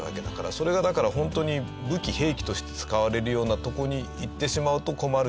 それがだから本当に武器兵器として使われるようなとこにいってしまうと困るし。